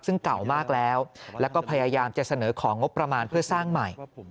ซึ่งเก่ามากแล้วแล้วก็พยายามจะเสนอของงบประมาณเพื่อสร้างใหม่